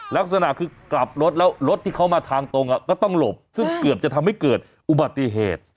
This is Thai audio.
ลักษณะคือกลับรถแล้วรถที่เขามาทางตรงก็ต้องหลบซึ่งเกือบจะทำให้เกิดอุบัติเหตุ